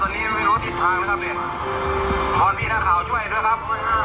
ตอนนี้ยังไม่รู้ทิศทางนะครับเนี่ยพอมีนักข่าวช่วยด้วยครับ